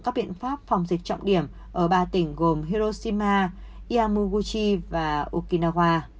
các biện pháp phòng dịch trọng điểm ở ba tỉnh gồm hiroshima iamuguchi và okinawa